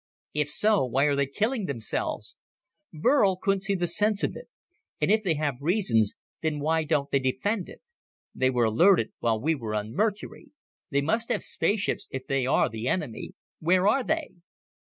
"If so, why are they killing themselves?" Burl couldn't see the sense of it. "And if they have reasons, then why don't they defend it? They were alerted while we were on Mercury. They must have spaceships if they are the enemy. Where are they?"